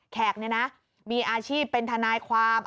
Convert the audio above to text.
แขกเนี่ยนะมีอาชีพเป็นทนายความ